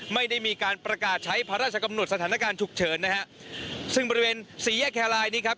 ไม่ได้มีการประกาศใช้พระราชกำหนดสถานการณ์ฉุกเฉินนะฮะซึ่งบริเวณสี่แยกแครลายนี้ครับ